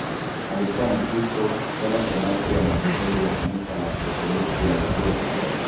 Alikuwa Mkristo, tena shemasi wa madhehebu ya Kanisa la Kiorthodoksi la Ethiopia.